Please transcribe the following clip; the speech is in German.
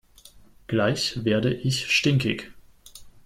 Gleich werde ich stinkig!